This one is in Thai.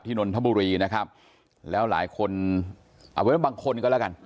นนทบุรีนะครับแล้วหลายคนเอาเป็นว่าบางคนก็แล้วกัน